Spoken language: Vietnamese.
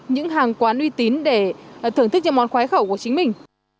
những hàng quán uy tín để thưởng thức cho món khoái khẩu của chính mình